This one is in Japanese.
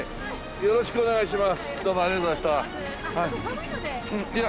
よろしくお願いします。